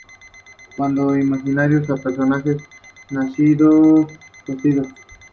Fue designado director general de escuelas de la provincia de Buenos Aires.